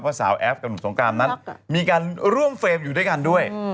ว่าสาวแอฟกับหนูสงการมีการร่วมเฟรมอยู่ด้วย